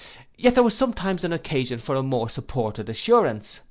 Yet there was sometimes an occasion for a more supported assurance.